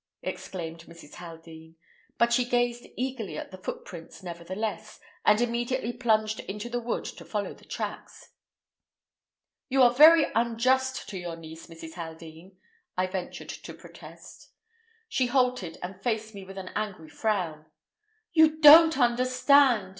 exclaimed Mrs. Haldean; but she gazed eagerly at the footprints, nevertheless, and immediately plunged into the wood to follow the tracks. "You are very unjust to your niece, Mrs. Haldean," I ventured to protest. She halted, and faced me with an angry frown. "You don't understand!"